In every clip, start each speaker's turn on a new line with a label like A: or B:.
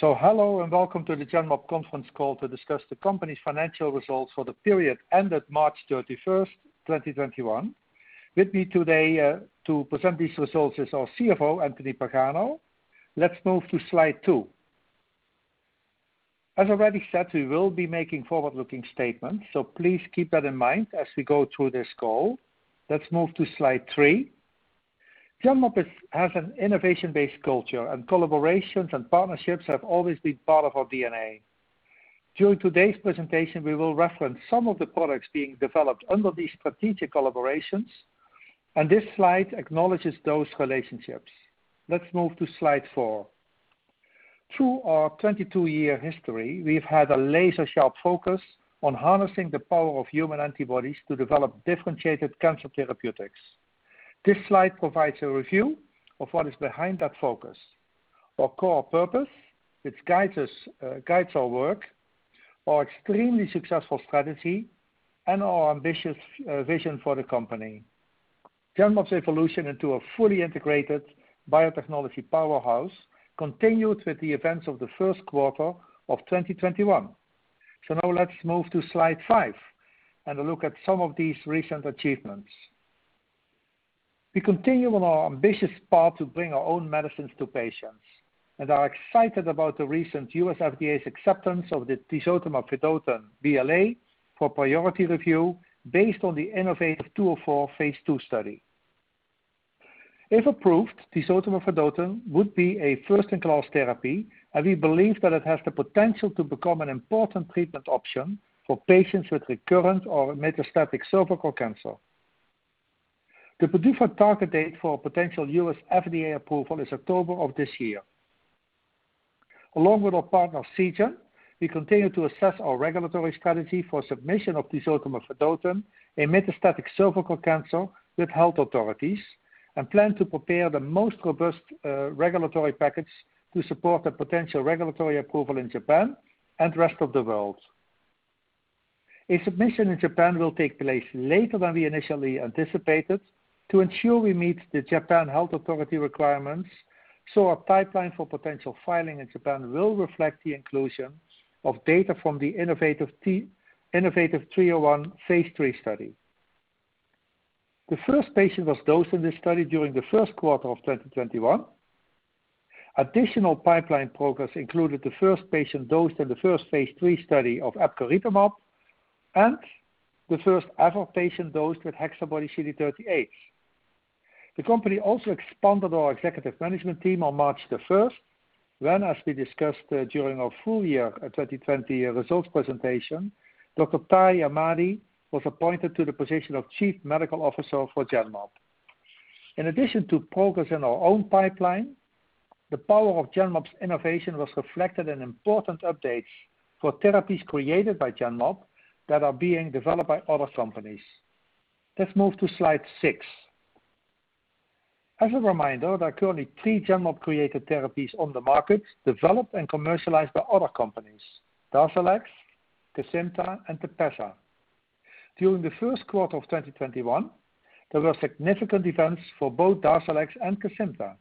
A: Hello, and welcome to the Genmab conference call to discuss the company's financial results for the period ended March 31st, 2021. With me today to present these results is our CFO, Anthony Pagano. Let's move to slide two. As I already said, we will be making forward-looking statements, please keep that in mind as we go through this call. Let's move to slide three. Genmab has an innovation-based culture, collaborations and partnerships have always been part of our DNA. During today's presentation, we will reference some of the products being developed under these strategic collaborations, this slide acknowledges those relationships. Let's move to slide four. Through our 22-year history, we've had a laser-sharp focus on harnessing the power of human antibodies to develop differentiated cancer therapeutics. This slide provides a review of what is behind that focus, our core purpose, which guides our work, our extremely successful strategy, and our ambitious vision for the company. Genmab's evolution into a fully integrated biotechnology powerhouse continued with the events of the first quarter of 2021. Now let's move to slide five and a look at some of these recent achievements. We continue on our ambitious path to bring our own medicines to patients and are excited about the recent U.S. FDA's acceptance of the tisotumab vedotin BLA for priority review based on the innovaTV 204 phase II study. If approved, tisotumab vedotin would be a first-in-class therapy, and we believe that it has the potential to become an important treatment option for patients with recurrent or metastatic cervical cancer. The preferred target date for potential U.S. FDA approval is October of this year. Along with our partner, Seagen, we continue to assess our regulatory strategy for submission of tisotumab vedotin in metastatic cervical cancer with health authorities and plan to prepare the most robust regulatory package to support the potential regulatory approval in Japan and the rest of the world. A submission in Japan will take place later than we initially anticipated to ensure we meet the Japan Health Authority requirements; our pipeline for potential filing in Japan will reflect the inclusion of data from the innovaTV 301 phase III study. The first patient was dosed in this study during the first quarter of 2021. Additional pipeline progress included the first patient dosed in the first phase III study of epcoritamab and the first ever patient dosed with HexaBody-CD38. The company also expanded our executive management team on March 1st, when, as we discussed during our full year 2020 results presentation, Dr. Tahi Ahmadi was appointed to the position of Chief Medical Officer for Genmab. In addition to progress in our own pipeline, the power of Genmab's innovation was reflected in important updates for therapies created by Genmab that are being developed by other companies. Let's move to slide six. As a reminder, there are currently three Genmab-created therapies on the market developed and commercialized by other companies, DARZALEX, Kesimpta, and TEPEZZA. During the first quarter of 2021, there were significant events for both DARZALEX and Kesimpta.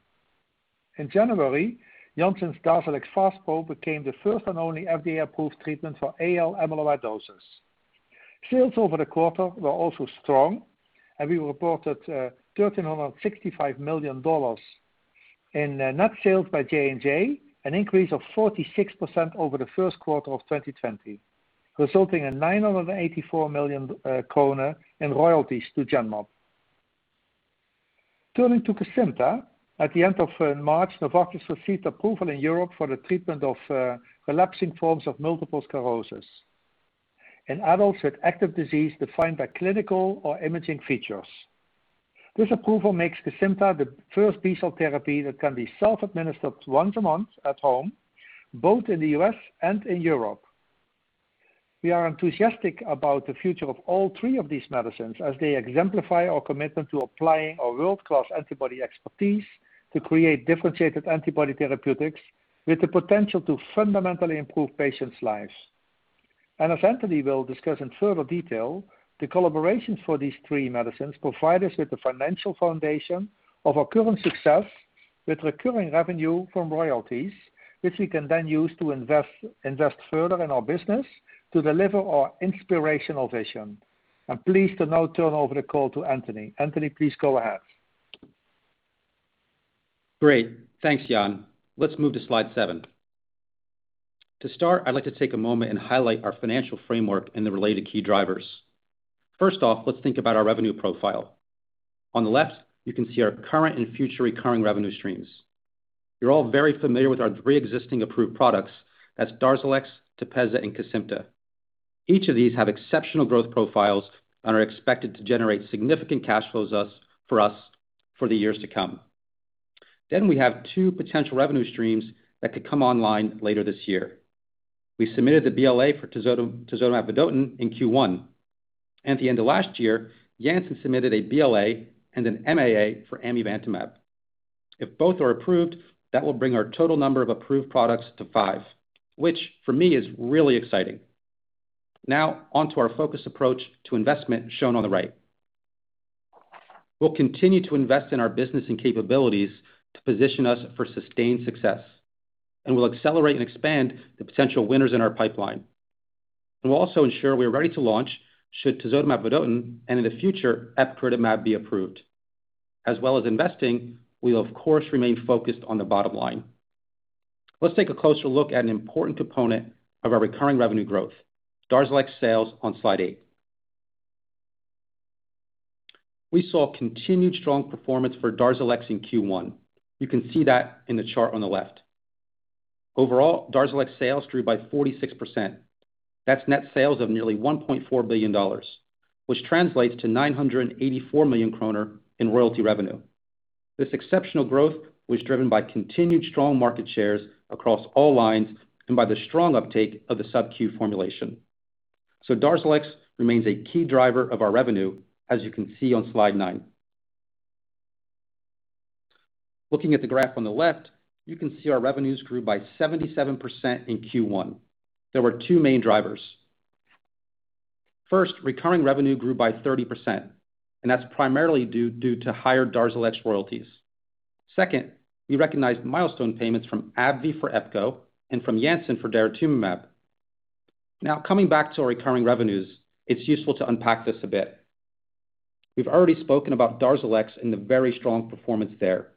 A: In January, Janssen's DARZALEX FASPRO became the first and only FDA-approved treatment for AL amyloidosis. Sales over the quarter were also strong. We reported $1,365 million in net sales by J&J, an increase of 46% over the first quarter of 2020, resulting in 984 million kroner in royalties to Genmab. Turning to Kesimpta, at the end of March, Novartis received approval in Europe for the treatment of relapsing forms of multiple sclerosis in adults with active disease defined by clinical or imaging features. This approval makes Kesimpta the first bispecific therapy that can be self-administered once a month at home, both in the U.S. and in Europe. We are enthusiastic about the future of all three of these medicines as they exemplify our commitment to applying our world-class antibody expertise to create differentiated antibody therapeutics with the potential to fundamentally improve patients' lives. As Anthony will discuss in further detail, the collaborations for these three medicines provide us with the financial foundation of our current success with recurring revenue from royalties, which we can then use to invest further in our business to deliver our inspirational vision. I am pleased to now turn over the call to Anthony. Anthony, please go ahead.
B: Great. Thanks, Jan. Let's move to slide seven. To start, I'd like to take a moment and highlight our financial framework and the related key drivers. First off, let's think about our revenue profile. On the left, you can see our current and future recurring revenue streams. You're all very familiar with our three existing approved products as DARZALEX, TEPEZZA, and Kesimpta. Each of these have exceptional growth profiles and are expected to generate significant cash flows for us for the years to come. We have two potential revenue streams that could come online later this year. We submitted the BLA for tisotumab vedotin in Q1. At the end of last year, Janssen submitted a BLA and an MAA for amivantamab. If both are approved, that will bring our total number of approved products to five, which for me is really exciting. Now on to our focused approach to investment shown on the right. We'll continue to invest in our business and capabilities to position us for sustained success. We'll accelerate and expand the potential winners in our pipeline. We'll also ensure we're ready to launch should tisotumab vedotin, and in the future, epcoritamab be approved. As well as investing, we'll of course remain focused on the bottom line. Let's take a closer look at an important component of our recurring revenue growth, DARZALEX sales on slide eight. We saw continued strong performance for DARZALEX in Q1. You can see that in the chart on the left. Overall, DARZALEX sales grew by 46%. That's net sales of nearly $1.4 billion, which translates to 984 million kroner in royalty revenue. This exceptional growth was driven by continued strong market shares across all lines and by the strong uptake of the SubQ formulation. DARZALEX remains a key driver of our revenue, as you can see on slide nine. Looking at the graph on the left, you can see our revenues grew by 77% in Q1. There were two main drivers. First, recurring revenue grew by 30%, and that's primarily due to higher DARZALEX royalties. Second, we recognized milestone payments from AbbVie for epco and from Janssen for daratumumab. Coming back to our recurring revenues, it's useful to unpack this a bit. We've already spoken about DARZALEX and the very strong performance there.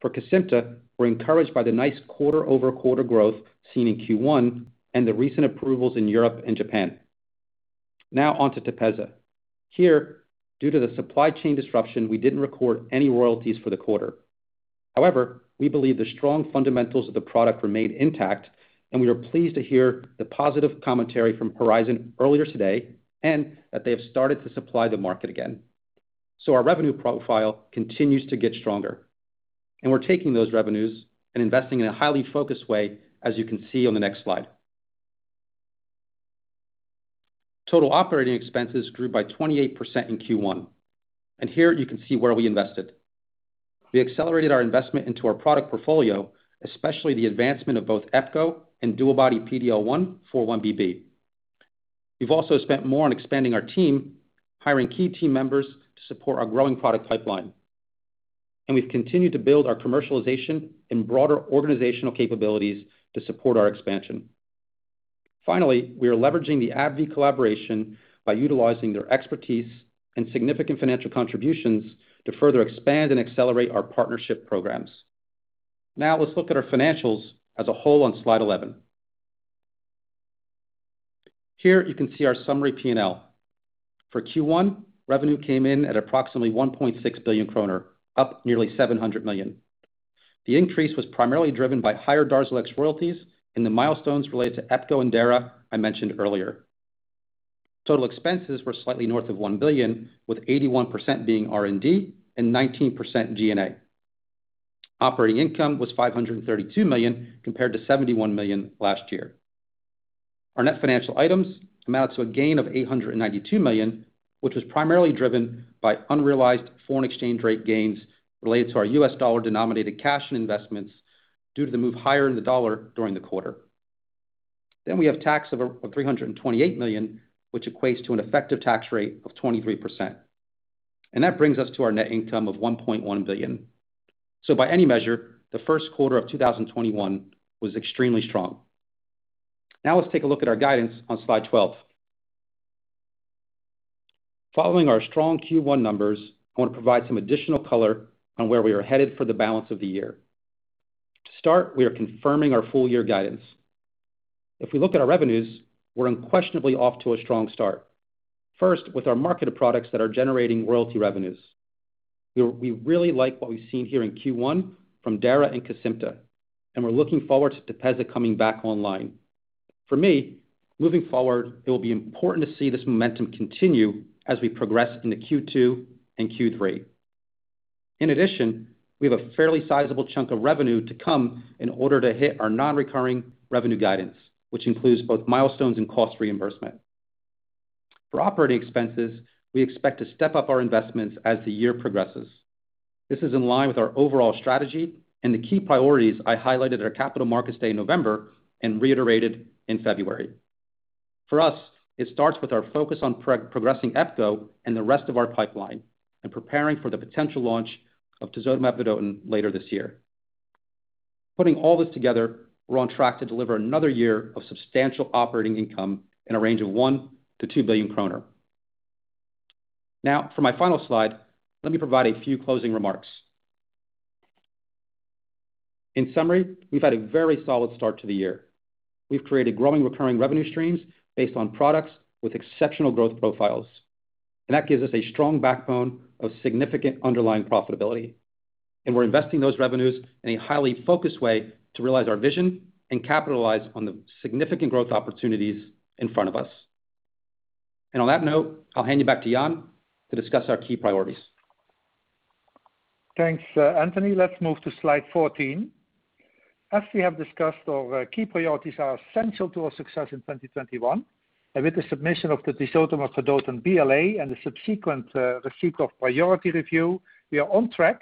B: For Kesimpta, we're encouraged by the nice quarter-over-quarter growth seen in Q1 and the recent approvals in Europe and Japan. On to TEPEZZA. Here, due to the supply chain disruption, we didn't record any royalties for the quarter. However, we believe the strong fundamentals of the product remained intact, and we were pleased to hear the positive commentary from Horizon earlier today, and that they have started to supply the market again. Our revenue profile continues to get stronger, and we're taking those revenues and investing in a highly focused way, as you can see on the next slide. Total operating expenses grew by 28% in Q1, and here you can see where we invested. We accelerated our investment into our product portfolio, especially the advancement of both epco and DuoBody PD-L1, 4-1BB. We've also spent more on expanding our team, hiring key team members to support our growing product pipeline. We've continued to build our commercialization and broader organizational capabilities to support our expansion. Finally, we are leveraging the AbbVie collaboration by utilizing their expertise and significant financial contributions to further expand and accelerate our partnership programs. Let's look at our financials as a whole on slide eleven. Here you can see our summary P&L. For Q1, revenue came in at approximately 1.6 billion kroner, up nearly 700 million. The increase was primarily driven by higher DARZALEX royalties and the milestones related to epco and Dara, I mentioned earlier. Total expenses were slightly north of 1 billion, with 81% being R&D and 19% G&A. Operating income was 532 million compared to 71 million last year. Our net financial items amount to a gain of 892 million, which was primarily driven by unrealized foreign exchange rate gains related to our U.S. dollar-denominated cash and investments due to the move higher in the dollar during the quarter. We have tax of 328 million, which equates to an effective tax rate of 23%. That brings us to our net income of 1.1 billion. By any measure, the first quarter of 2021 was extremely strong. Let's take a look at our guidance on slide 12. Following our strong Q1 numbers, I want to provide some additional color on where we are headed for the balance of the year. We are confirming our full year guidance. If we look at our revenues, we're unquestionably off to a strong start. With our market of products that are generating royalty revenues. We really like what we've seen here in Q1 from Dara and Kesimpta, and we're looking forward to TEPEZZA coming back online. For me, moving forward, it will be important to see this momentum continue as we progress into Q2 and Q3. We have a fairly sizable chunk of revenue to come in order to hit our non-recurring revenue guidance, which includes both milestones and cost reimbursement. For operating expenses, we expect to step up our investments as the year progresses. This is in line with our overall strategy and the key priorities I highlighted at our Capital Markets Day in November and reiterated in February. For us, it starts with our focus on progressing epco and the rest of our pipeline and preparing for the potential launch of tisotumab vedotin later this year. Putting all this together, we're on track to deliver another year of substantial operating income in a range of 1 billion-2 billion kroner. For my final slide, let me provide a few closing remarks. In summary, we've had a very solid start to the year. We've created growing recurring revenue streams based on products with exceptional growth profiles, that gives us a strong backbone of significant underlying profitability. We're investing those revenues in a highly focused way to realize our vision and capitalize on the significant growth opportunities in front of us. On that note, I'll hand you back to Jan to discuss our key priorities.
A: Thanks, Anthony. Let's move to slide 14. As we have discussed, our key priorities are essential to our success in 2021. With the submission of the tisotumab vedotin BLA and the subsequent receipt of priority review, we are on track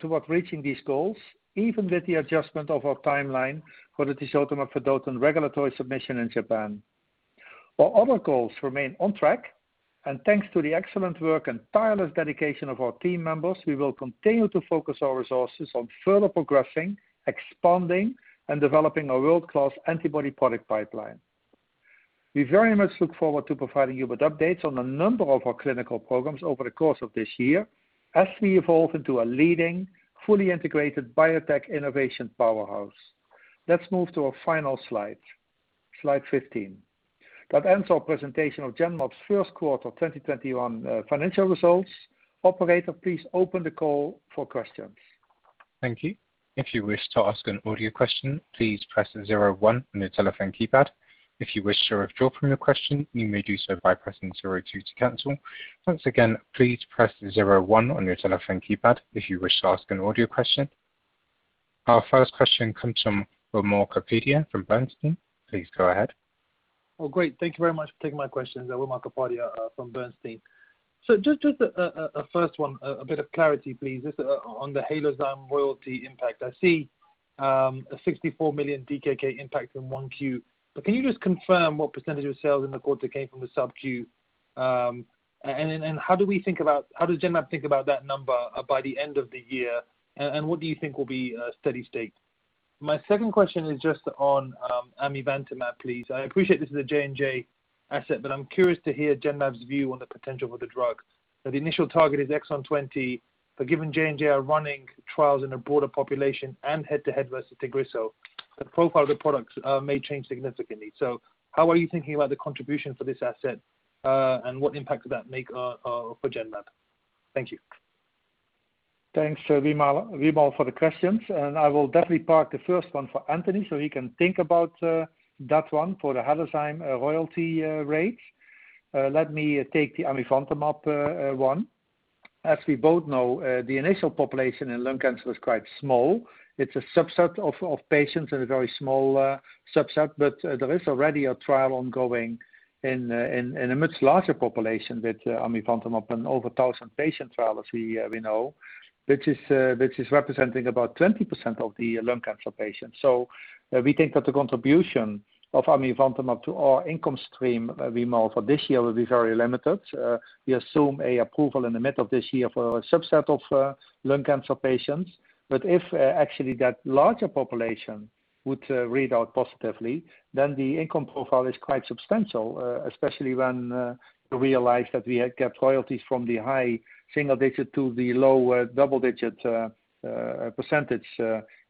A: toward reaching these goals, even with the adjustment of our timeline for the tisotumab vedotin regulatory submission in Japan. All other goals remain on track, and thanks to the excellent work and tireless dedication of our team members, we will continue to focus our resources on further progressing, expanding, and developing a world-class antibody product pipeline. We very much look forward to providing you with updates on a number of our clinical programs over the course of this year as we evolve into a leading, fully integrated biotech innovation powerhouse. Let's move to our final slide 15. That ends our presentation of Genmab's first quarter 2021 financial results. Operator, please open the call for questions.
C: Thank you. If you wish to ask an audio question, please press zero one on your telephone keypad. If you wish to withdraw from your question, you may do so by pressing zero two to cancel. Once again, please press zero one on your telephone keypad if you wish to ask an audio question. Our first question comes from Wimal Kapadia from Bernstein. Please go ahead.
D: Thank you very much for taking my questions. Wimal Kapadia from Bernstein. Just a first one, a bit of clarity, please, just on the Halozyme Therapeutics royalty impact. I see a 64 million DKK impact in 1Q, can you just confirm what percentage of sales in the quarter came from the SubQ? How does Genmab think about that number by the end of the year, and what do you think will be steady state? My second question is just on amivantamab, please. I appreciate this is a J&J asset, I'm curious to hear Genmab's view on the potential for the drug. The initial target is exon 20, given J&J are running trials in a broader population and head-to-head versus TAGRISSO, the profile of the products may change significantly. How are you thinking about the contribution for this asset, and what impact does that make for Genmab? Thank you.
A: Thanks, Wimal, for the questions. I will definitely park the first one for Anthony so he can think about that one for the Halozyme royalty rate. Let me take the amivantamab one. As we both know, the initial population in lung cancer is quite small. It's a subset of patients and a very small subset. There is already a trial ongoing in a much larger population with amivantamab, an over 1,000 patient trial as we know, which is representing about 20% of the lung cancer patients. We think that the contribution of amivantamab to our income stream, Wimal, for this year will be very limited. We assume an approval in the middle of this year for a subset of lung cancer patients. If actually that larger population would read out positively, then the income profile is quite substantial, especially when you realize that we get royalties from the high single-digit to the low double-digit percentage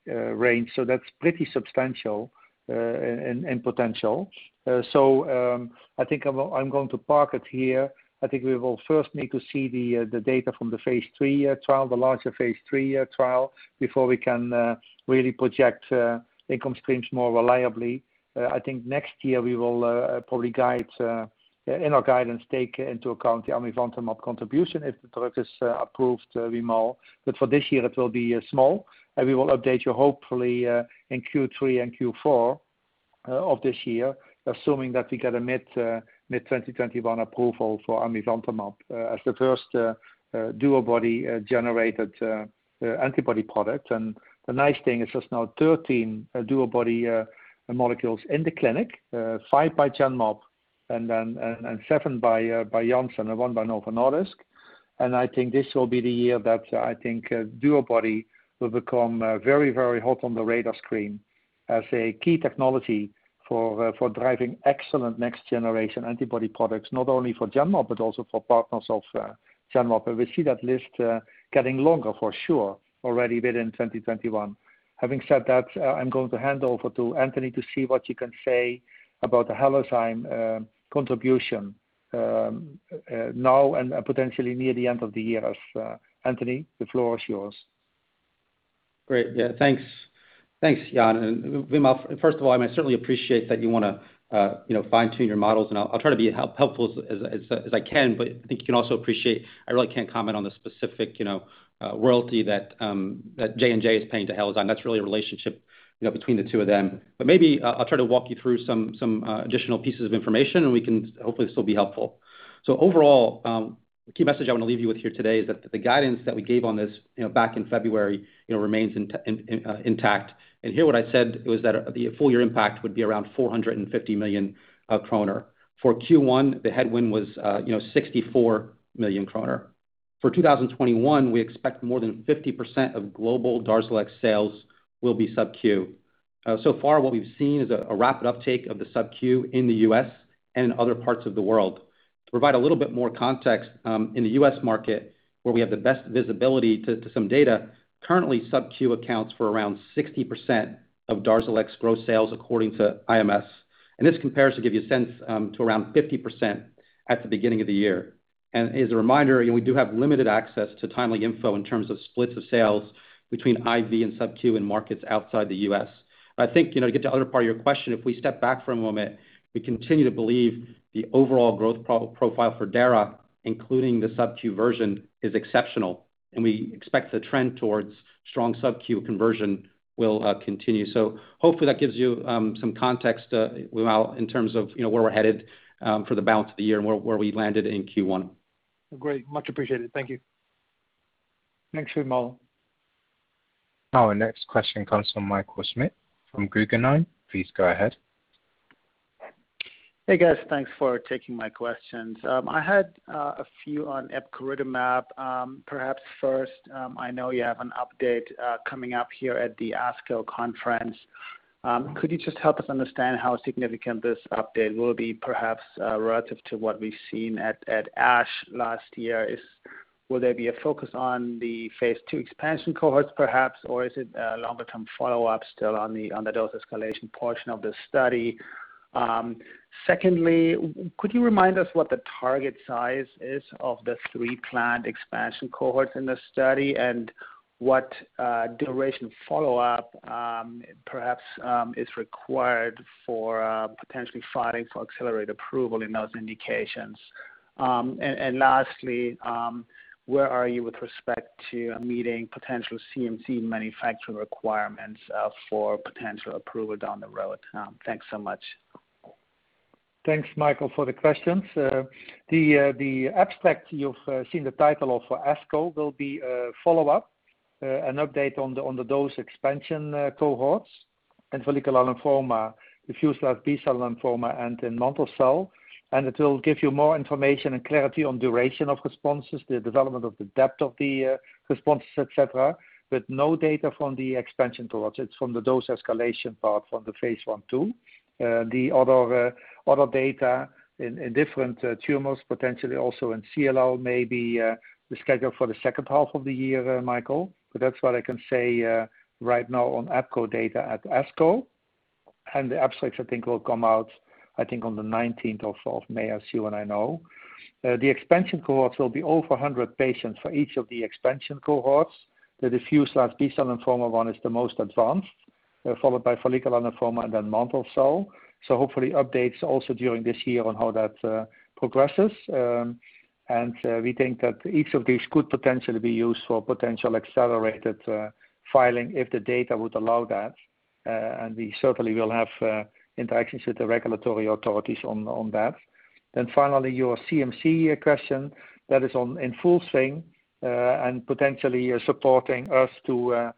A: range. That's pretty substantial in potential. I think I'm going to park it here. I think we will first need to see the data from the larger phase III trial before we can really project income streams more reliably. I think next year we will probably, in our guidance, take into account the amivantamab contribution if the product is approved, Wimal. For this year it will be small. We will update you hopefully in Q3 and Q4 of this year, assuming that we get a mid-2021 approval for amivantamab as the first DuoBody generated antibody product. The nice thing is there's now 13 DuoBody molecules in the clinic, five by Genmab and seven by Janssen and one by Novo Nordisk. I think this will be the year that I think DuoBody will become very hot on the radar screen as a key technology for driving excellent next generation antibody products, not only for Genmab, but also for partners of Genmab. We see that list getting longer for sure already within 2021. Having said that, I'm going to hand over to Anthony to see what you can say about the Halozyme contribution now and potentially near the end of the year. Anthony, the floor is yours.
B: Great. Yeah. Thanks, Jan and Wimal. First of all, I certainly appreciate that you want to fine-tune your models, and I'll try to be helpful as I can, but I think you can also appreciate I really can't comment on the specific royalty that J&J is paying to Halozyme. That's really a relationship between the two of them. Maybe I'll try to walk you through some additional pieces of information, and we can hopefully still be helpful. Overall, the key message I want to leave you with here today is that the guidance that we gave on this back in February remains intact. Here what I said was that the full year impact would be around 450 million kroner. For Q1, the headwind was 64 million kroner. For 2021, we expect more than 50% of global DARZALEX sales will be SubQ. What we've seen is a rapid uptake of the SubQ in the U.S. and in other parts of the world. To provide a little bit more context, in the U.S. market, where we have the best visibility to some data, currently SubQ accounts for around 60% of DARZALEX gross sales according to IMS. This compares, to give you a sense, to around 50% at the beginning of the year. As a reminder, we do have limited access to timely info in terms of splits of sales between IV and SubQ in markets outside the U.S. I think, to get to the other part of your question, if we step back for a moment, we continue to believe the overall growth profile for dara, including the SubQ version, is exceptional, and we expect the trend towards strong SubQ conversion will continue. Hopefully that gives you some context, Wimal, in terms of where we're headed for the balance of the year and where we landed in Q1.
D: Great. Much appreciated. Thank you.
A: Thanks, Wimal.
C: Our next question comes from Michael Schmidt from Guggenheim. Please go ahead.
E: Hey, guys. Thanks for taking my questions. I had a few on epcoritamab. Perhaps first, I know you have an update coming up here at the ASCO conference. Could you just help us understand how significant this update will be, perhaps relative to what we've seen at ASH last year? Will there be a focus on the phase II expansion cohorts perhaps, or is it longer-term follow-ups still on the dose escalation portion of the study? Secondly, could you remind me what the target size is of the three planned expansion cohorts in this study, and what duration follow-up perhaps, is required for potentially filing for accelerated approval in those indications? Lastly, where are you with respect to meeting potential CMC manufacturing requirements for potential approval down the road? Thanks so much.
A: Thanks, Michael, for the questions. The abstract you've seen the title of for ASCO will be a follow-up, an update on the dose expansion cohorts in follicular lymphoma, diffuse large B-cell lymphoma, and in mantle cell. It will give you more information and clarity on duration of responses, the development of the depth of the responses, et cetera, but no data from the expansion cohorts. It's from the dose escalation part from the phase I/II. The other data in different tumors, potentially also in CLL, may be scheduled for the second half of the year, Michael. That's what I can say right now on epco data at ASCO. The abstracts, I think, will come out, I think, on the 19th of May, I see when I know. The expansion cohorts will be over 100 patients for each of the expansion cohorts. The diffuse large B-cell lymphoma one is the most advanced, followed by follicular lymphoma and then mantle cell. Hopefully updates also during this year on how that progresses. We think that each of these could potentially be used for potential accelerated filing if the data would allow that, and we certainly will have interactions with the regulatory authorities on that. Finally, your CMC question that is in full swing, and potentially supporting us to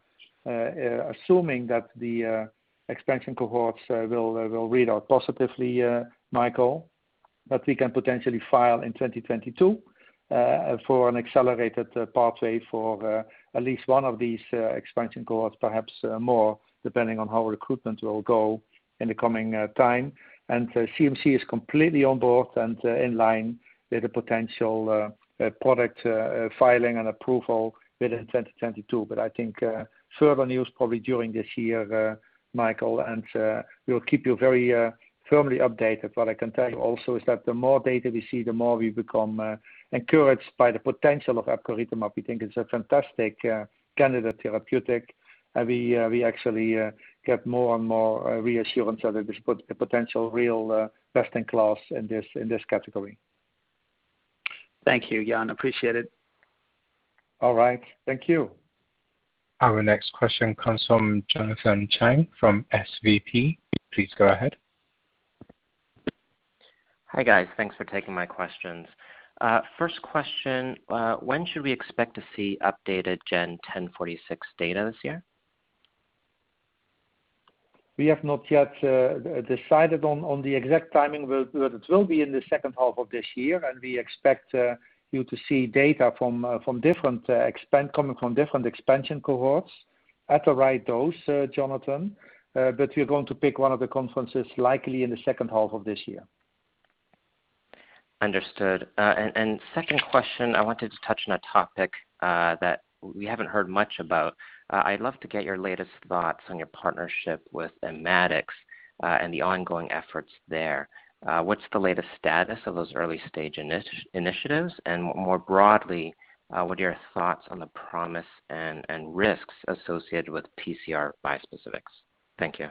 A: assuming that the expansion cohorts will read out positively, Michael. We can potentially file in 2022 for an accelerated pathway for at least one of these expansion cohorts, perhaps more, depending on how recruitment will go in the coming time. CMC is completely on board and in line with a potential product filing and approval within 2022. I think further news probably during this year, Michael, and we'll keep you very firmly updated. What I can tell you also is that the more data we see, the more we become encouraged by the potential of epcoritamab. We think it's a fantastic candidate therapeutic. We actually get more and more reassurance that it is potential real best in class in this category.
E: Thank you, Jan. Appreciate it.
A: All right. Thank you.
C: Our next question comes from Jonathan Chang from SVB. Please go ahead.
F: Hi, guys. Thanks for taking my questions. First question, when should we expect to see updated GEN1046 data this year?
A: We have not yet decided on the exact timing, but it will be in the second half of this year, and we expect you to see data coming from different expansion cohorts at the right dose, Jonathan. We're going to pick one of the conferences likely in the second half of this year.
F: Understood. Second question, I wanted to touch on a topic that we haven't heard much about. I'd love to get your latest thoughts on your partnership with Immatics and the ongoing efforts there. What's the latest status of those early-stage initiatives? More broadly, what are your thoughts on the promise and risks associated with TCR bispecifics? Thank you.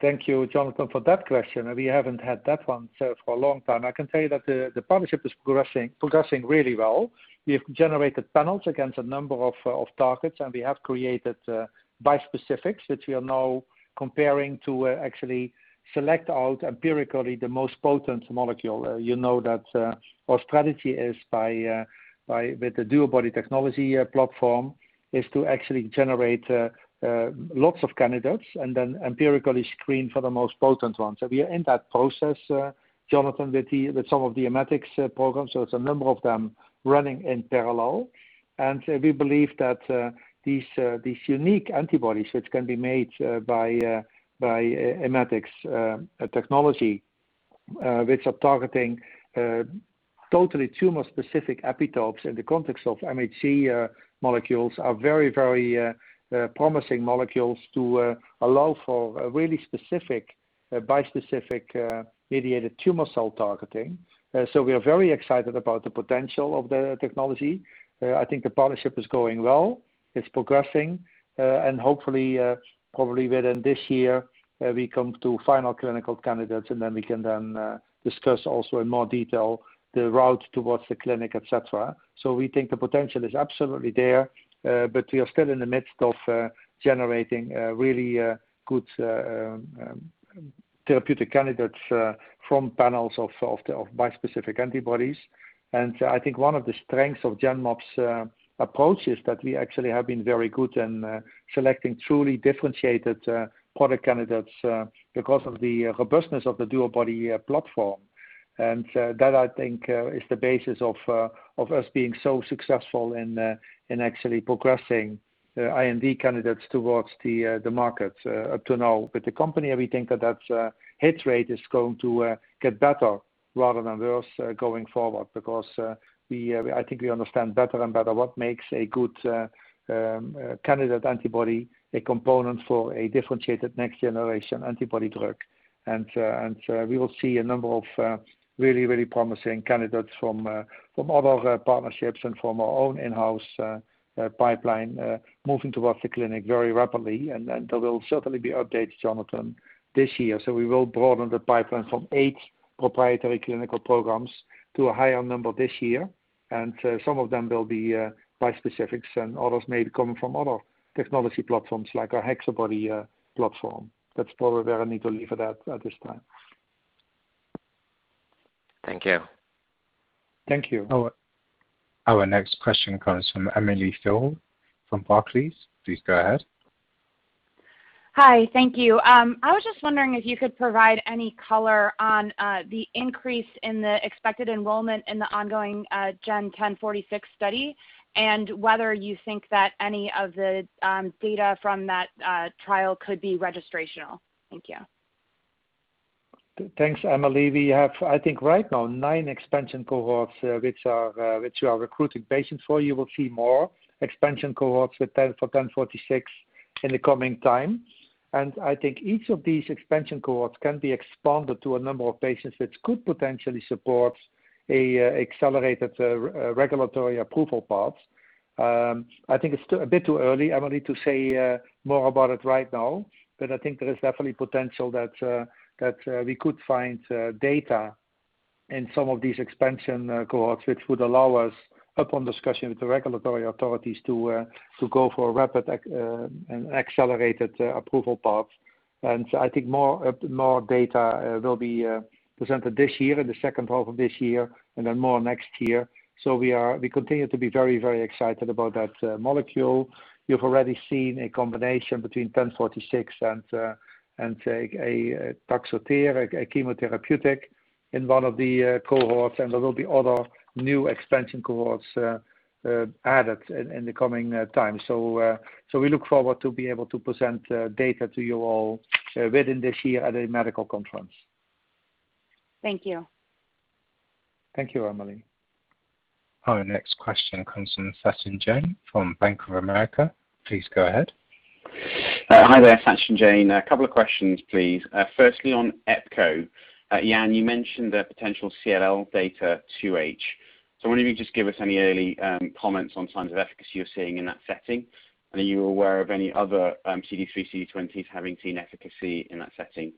A: Thank you, Jonathan, for that question. We haven't had that one for a long time. I can tell you that the partnership is progressing really well. We have generated panels against a number of targets, and we have created bispecifics that we are now comparing to actually select out empirically the most potent molecule. You know that our strategy is with the DuoBody technology platform, is to actually generate lots of candidates and then empirically screen for the most potent ones. We are in that process, Jonathan, with some of the Immatics programs. It's a number of them running in parallel. We believe that these unique antibodies, which can be made by Immatics technology, which are targeting totally tumor-specific epitopes in the context of MHC molecules are very promising molecules to allow for really specific bispecific-mediated tumor cell targeting. We are very excited about the potential of the technology. I think the partnership is going well. It's progressing. Hopefully, probably within this year, we come to final clinical candidates, and then we can then discuss also in more detail the route towards the clinic, et cetera. We think the potential is absolutely there, but we are still in the midst of generating really good therapeutic candidates from panels of bispecific antibodies. I think one of the strengths of Genmab's approach is that we actually have been very good in selecting truly differentiated product candidates because of the robustness of the DuoBody platform. That I think is the basis of us being so successful in actually progressing IND candidates towards the market up to now. With the company, we think that hit rate is going to get better rather than worse going forward, because I think we understand better and better what makes a good candidate antibody a component for a differentiated next generation antibody drug. We will see a number of really, really promising candidates from other partnerships and from our own in-house pipeline, moving towards the clinic very rapidly. There will certainly be updates, Jonathan, this year. We will broaden the pipeline from eight proprietary clinical programs to a higher number this year. Some of them will be bispecifics and others may come from other technology platforms like our HexaBody platform. That's probably where I need to leave it at this time.
F: Thank you.
A: Thank you.
C: Our next question comes from Emily Field from Barclays. Please go ahead.
G: Hi. Thank you. I was just wondering if you could provide any color on the increase in the expected enrollment in the ongoing GEN1046 study, and whether you think that any of the data from that trial could be registrational. Thank you.
A: Thanks, Emily. We have, I think right now, nine expansion cohorts which we are recruiting patients for. You will see more expansion cohorts for GEN1046 in the coming time. I think each of these expansion cohorts can be expanded to a number of patients which could potentially support accelerated regulatory approval paths. I think it's a bit too early, Emily, to say more about it right now, I think there is definitely potential that we could find data in some of these expansion cohorts, which would allow us, upon discussion with the regulatory authorities, to go for a rapid and accelerated approval path. I think more data will be presented this year, in the second half of this year, then more next year. We continue to be very, very excited about that molecule. You've already seen a combination between GEN-1046 and TAXOTERE, a chemotherapeutic, in one of the cohorts, and there will be other new expansion cohorts added in the coming time. We look forward to be able to present data to you all within this year at a medical conference.
G: Thank you.
A: Thank you, Emily.
C: Our next question comes from Sachin Jain, from Bank of America. Please go ahead.
H: Hi there. Sachin Jain. A couple of questions, please. Firstly, on epco. Jan, you mentioned the potential CLL data 2H. I wonder if you could just give us any early comments on signs of efficacy you're seeing in that setting. Are you aware of any other CD3/CD20s having seen efficacy in that setting?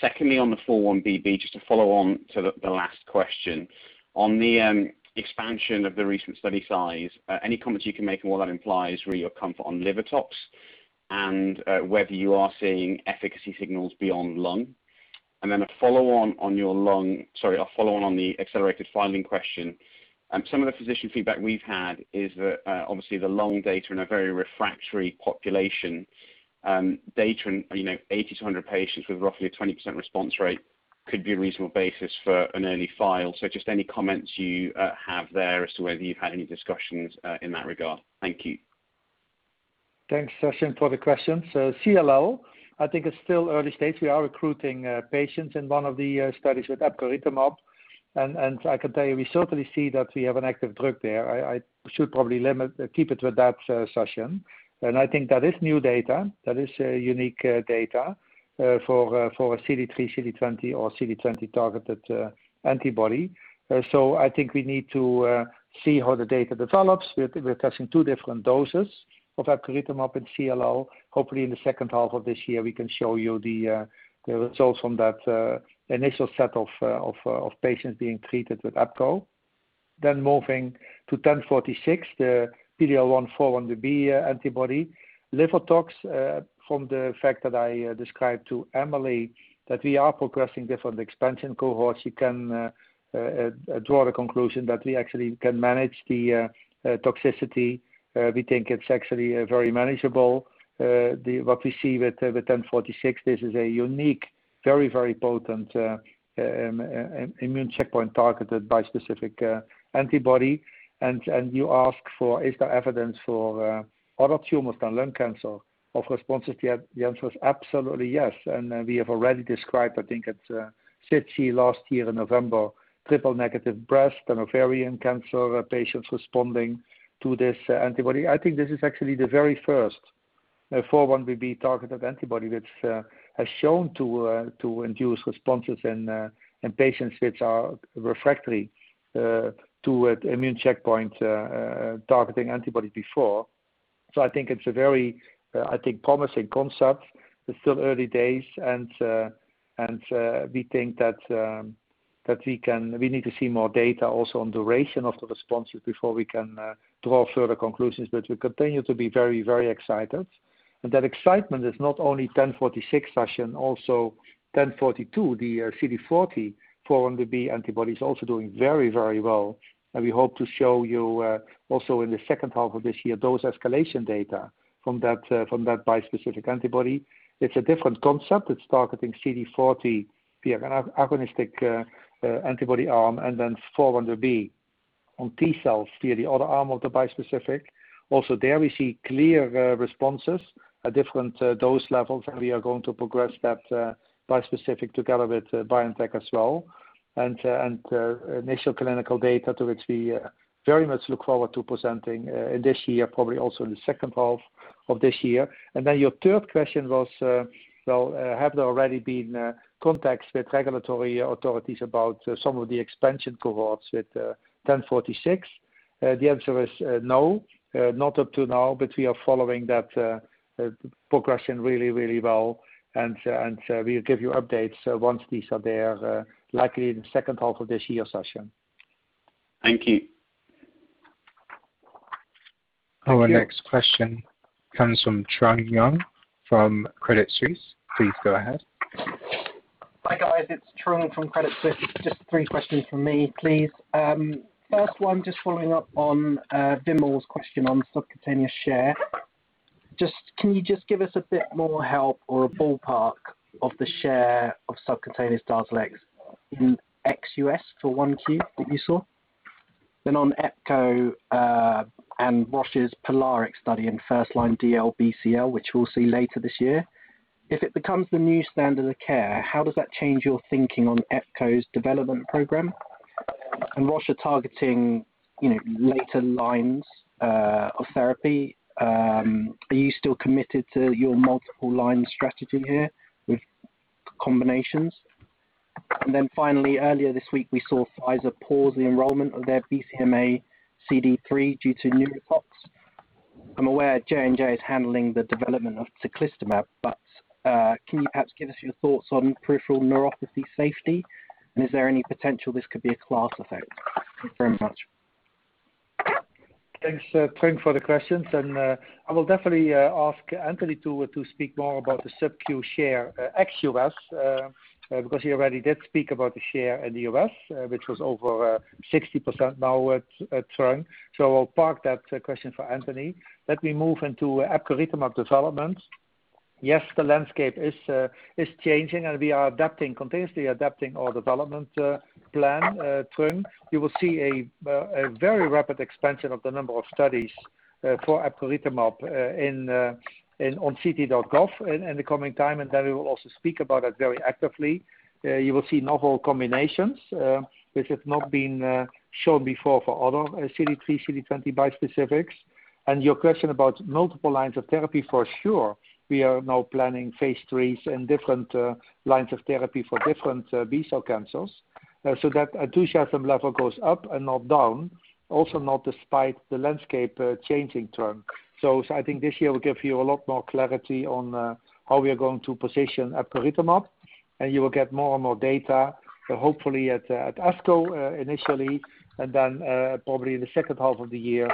H: Secondly, on the 4-1BB, just to follow on to the last question. On the expansion of the recent study size, any comments you can make on what that implies re your comfort on liver tox, and whether you are seeing efficacy signals beyond lung? A follow-on, on the accelerated filing question. Some of the physician feedback we've had is that obviously the lung data in a very refractory population, data in 80-100 patients with roughly a 20% response rate could be a reasonable basis for an early file. Just any comments you have there as to whether you've had any discussions in that regard. Thank you.
A: Thanks, Sachin, for the question. CLL, I think it's still early stages. We are recruiting patients in one of the studies with epcoritamab, and I can tell you we certainly see that we have an active drug there. I should probably keep it with that, Sachin. I think that is new data, that is unique data for a CD3, CD20 or CD20-targeted antibody. I think we need to see how the data develops. We're testing two different doses of epcoritamab in CLL. Hopefully in the second half of this year, we can show you the results from that initial set of patients being treated with epco. Moving to 1046, the PD-L1 4-1BB antibody. Liver tox, from the fact that I described to Emily that we are progressing different expansion cohorts, you can draw the conclusion that we actually can manage the toxicity We think it's actually very manageable. What we see with GEN1046, this is a unique, very, very potent immune checkpoint targeted bispecific antibody. You ask for, is there evidence for other tumors than lung cancer of responses yet? The answer is absolutely yes. We have already described, I think it's SITC last year in November, triple-negative breast and ovarian cancer patients responding to this antibody. I think this is actually the very first 4-1BB targeted antibody which has shown to induce responses in patients which are refractory to immune checkpoint targeting antibodies before. I think it's a very promising concept. It's still early days, and we think that we need to see more data also on duration of the responses before we can draw further conclusions. We continue to be very, very excited. That excitement is not only GEN1046, Sachin, also GEN1042, the CD40 4-1BB antibody is also doing very, very well. We hope to show you also in the second half of this year dose escalation data from that bispecific antibody. It's a different concept. It's targeting CD40 via an agonistic antibody arm and then 4-1BB on T-cells via the other arm of the bispecific. Also there we see clear responses at different dose levels, and we are going to progress that bispecific together with BioNTech as well, and initial clinical data to which we very much look forward to presenting in this year, probably also in the second half of this year. Then your third question was, have there already been contacts with regulatory authorities about some of the expansion cohorts with GEN1046? The answer is no, not up to now, but we are following that progression really, really well and we'll give you updates once these are there, likely in the second half of this year, Sachin.
H: Thank you.
C: Our next question comes from Trung Huynh from Credit Suisse. Please go ahead.
I: Hi, guys. It's Trung from Credit Suisse. Just three questions from me, please. First one, just following up on Wimal's question on subcutaneous share. Can you just give us a bit more help or a ballpark of the share of subcutaneous DARZALEX in ex-U.S. for 1Q that you saw? On epco, and Roche's POLARIX study in first line DLBCL, which we'll see later this year. If it becomes the new standard of care, how does that change your thinking on epco's development program? Roche are targeting later lines of therapy. Are you still committed to your multiple line strategy here with combinations? Finally, earlier this week, we saw Pfizer pause the enrollment of their BCMA CD3 due to neurotoxicity. I'm aware J&J is handling the development of teclistamab, can you perhaps give us your thoughts on peripheral neuropathy safety? Is there any potential this could be a class effect? Thank you very much.
A: Thanks, Trung, for the questions. I will definitely ask Anthony to speak more about the SubQ share ex-U.S., because he already did speak about the share in the U.S., which was over 60% now at trend. I'll park that question for Anthony. Let me move into epcoritamab development. Yes, the landscape is changing. We are continuously adapting our development plan, Trung. You will see a very rapid expansion of the number of studies for epcoritamab on ClinicalTrials.gov in the coming time. We will also speak about it very actively. You will see novel combinations, which have not been shown before for other CD3, CD20 bispecifics. Your question about multiple lines of therapy, for sure, we are now planning phase III and different lines of therapy for different B-cell cancers. That enthusiasm level goes up and not down, also not despite the landscape changing term. I think this year will give you a lot more clarity on how we are going to position epcoritamab, and you will get more and more data, hopefully at ASCO initially, and then probably in the second half of the year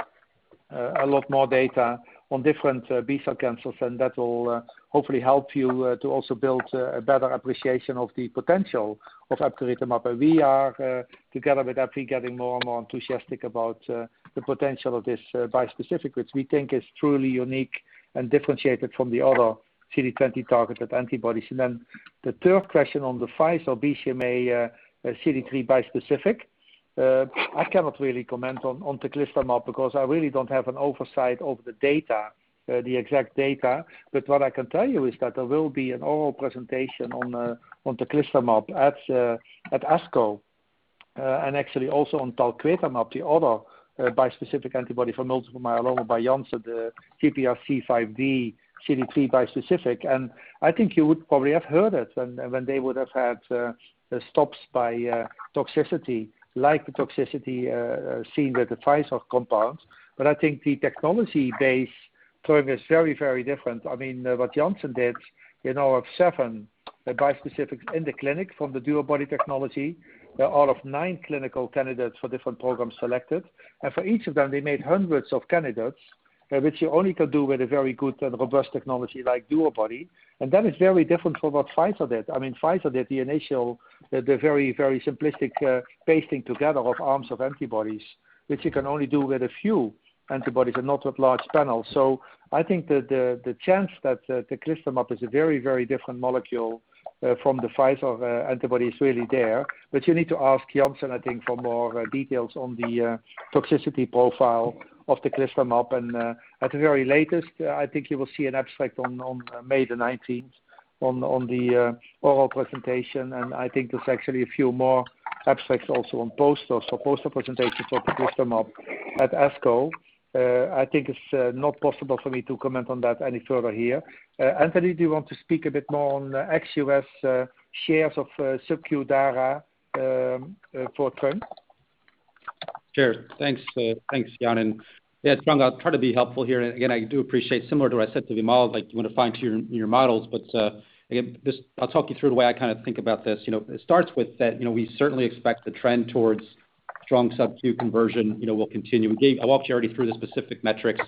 A: a lot more data on different B-cell cancers, and that will hopefully help you to also build a better appreciation of the potential of epcoritamab. We are, together with AbbVie, getting more and more enthusiastic about the potential of this bispecific, which we think is truly unique and differentiated from the other CD20-targeted antibodies. The third question on the Pfizer BCMA CD3 bispecific. I cannot really comment on teclistamab because I really don't have an oversight of the data, the exact data. What I can tell you is that there will be an oral presentation on teclistamab at ASCO, and actually also on talquetamab, the other bispecific antibody for multiple myeloma by Janssen, the GPRC5D CD3 bispecific. I think you would probably have heard it when they would have had stops by toxicity, like the toxicity seen with the Pfizer compounds. I think the technology base, Trung, is very different. What Janssen did in all of seven bispecifics in the clinic from the DuoBody technology, out of nine clinical candidates for different programs selected. For each of them, they made hundreds of candidates, which you only could do with a very good and robust technology like DuoBody. That is very different from what Pfizer did. Pfizer did the initial, the very, very simplistic pasting together of arms of antibodies, which you can only do with a few antibodies and not with large panels. I think that the chance that teclistamab is a very, very different molecule from the Pfizer antibody is really there. You need to ask Janssen, I think, for more details on the toxicity profile of teclistamab. At the very latest, I think you will see an abstract on May the 19th on the oral presentation, and I think there's actually a few more abstracts also on posters. Poster presentations for teclistamab at ASCO. It's not possible for me to comment on that any further here. Anthony, do you want to speak a bit more on ex-U.S. shares of SubQ dara for Trung?
B: Sure. Thanks, Jan. Yeah, Trung, I'll try to be helpful here. Again, I do appreciate, similar to what I said to Wimal, you want to fine-tune your models. Again, I'll talk you through the way I think about this. It starts with that we certainly expect the trend towards strong SubQ conversion will continue. I walked you already through the specific metrics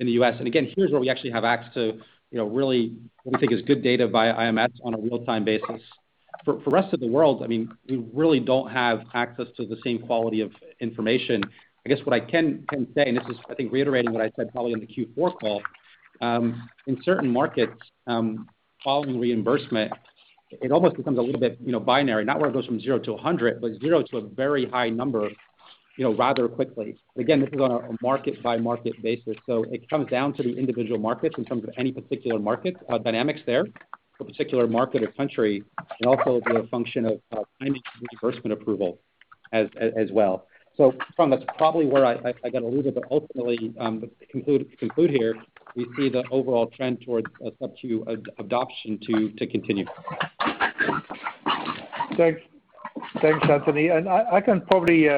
B: in the U.S. Again, here's where we actually have access to really what we think is good data via IMS on a real-time basis. For rest of the world, we really don't have access to the same quality of information. I guess what I can say, and this is, I think, reiterating what I said probably in the Q4 call. In certain markets, following reimbursement, it almost becomes a little bit binary, not where it goes from 0-100, but zero to a very high number rather quickly. Again, this is on a market-by-market basis, it comes down to the individual markets in terms of any particular market dynamics there for a particular market or country, and also the function of timing reimbursement approval as well. Trung, that's probably where I got to leave it, but ultimately, to conclude here, we see the overall trend towards SubQ adoption to continue.
A: Thanks, Anthony. I can probably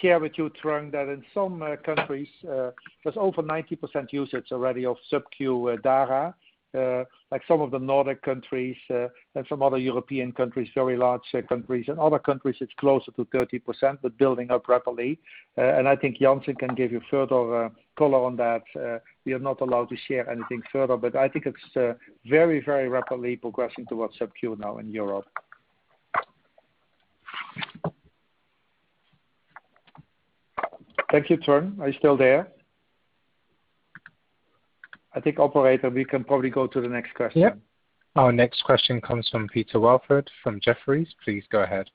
A: share with you, Trung, that in some countries, there's over 90% usage already of SubQ dara. Like some of the Nordic countries and some other European countries, very large countries. In other countries, it's closer to 30%, but building up rapidly. I think Janssen can give you further color on that. We are not allowed to share anything further, but I think it's very, very rapidly progressing towards SubQ now in Europe. Thank you, Trung. Are you still there? I think, operator, we can probably go to the next question.
C: Yep. Our next question comes from Peter Welford from Jefferies. Please go ahead.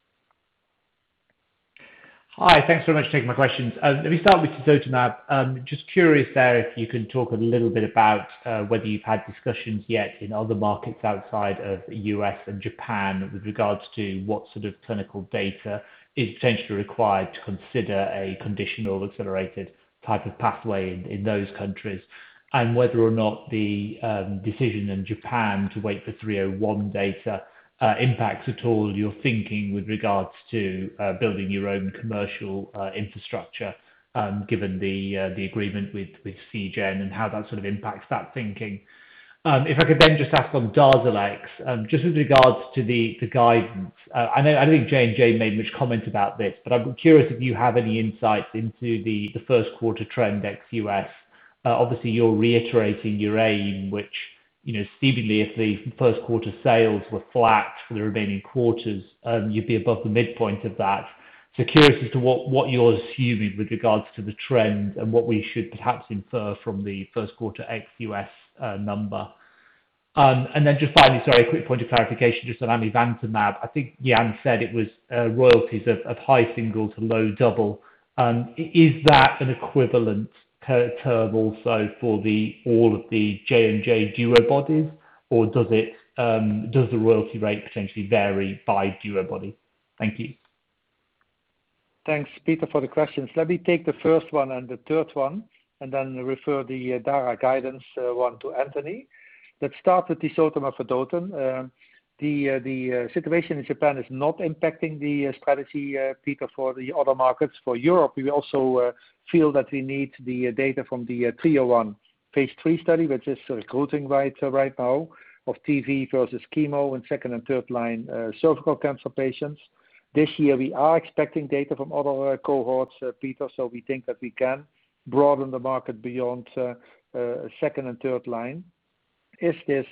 J: Hi. Thanks so much for taking my questions. Let me start with tisotumab. Just curious there if you can talk a little bit about whether you've had discussions yet in other markets outside of the U.S. and Japan with regards to what sort of clinical data is potentially required to consider a conditional accelerated type of pathway in those countries, and whether or not the decision in Japan to wait for 301 data impacts at all your thinking with regards to building your own commercial infrastructure, given the agreement with Seagen and how that sort of impacts that thinking. If I could just ask on DARZALEX, just with regards to the guidance. I know I don't think J&J made much comment about this, I'm curious if you have any insights into the first quarter trend ex-U.S. Obviously, you're reiterating your aim, which seemingly if the first quarter sales were flat for the remaining quarters, you'd be above the midpoint of that. Curious as to what you're assuming with regards to the trend and what we should perhaps infer from the first quarter ex-U.S. number. Then just finally, sorry, a quick point of clarification just on amivantamab. I think Jan said it was royalties of high single to low double. Is that an equivalent term also for all of the J&J DuoBody, or does the royalty rate potentially vary by DuoBody? Thank you.
A: Thanks, Peter, for the questions. Let me take the first one and the third one, and then refer the dara guidance one to Anthony. Let's start with tisotumab vedotin. The situation in Japan is not impacting the strategy, Peter, for the other markets. For Europe, we also feel that we need the data from the 301 phase III study, which is recruiting right now of TV versus chemo in second and third-line cervical cancer patients. This year, we are expecting data from other cohorts, Peter, so we think that we can broaden the market beyond second and third-line. If this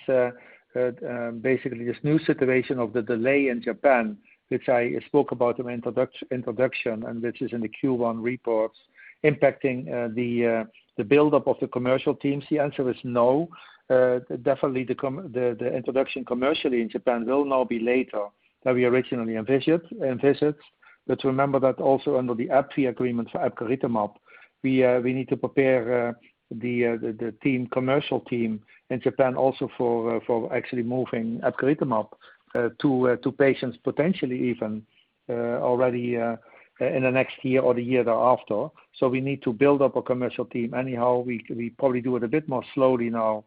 A: basically this new situation of the delay in Japan, which I spoke about in introduction and which is in the Q1 reports, impacting the buildup of the commercial teams, the answer is no. Definitely the introduction commercially in Japan will now be later than we originally envisaged. Let's remember that also under the AbbVie agreement for epcoritamab, we need to prepare the commercial team in Japan also for actually moving epcoritamab to patients potentially even already in the next year or the year thereafter. We need to build up a commercial team anyhow. We probably do it a bit more slowly now